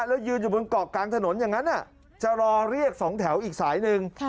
แล้วยืนอยู่บนเกาะกลางถนนอย่างนั้นจะรอเรียกสองแถวอีกสายหนึ่ง